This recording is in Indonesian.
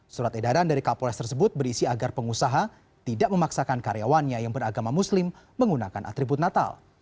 surat edaran dari kapolres tersebut berisi agar pengusaha tidak memaksakan karyawannya yang beragama muslim menggunakan atribut natal